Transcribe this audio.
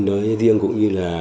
nói riêng cũng như là